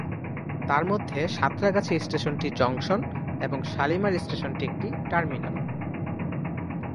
তারমধ্যে সাঁতরাগাছি স্টেশনটি জংশন এবং শালিমার স্টেশনটি একটি টার্মিনাল।